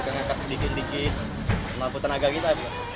saya ngangkat sedikit sedikit lampu tenaga kita